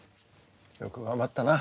よく頑張ったな。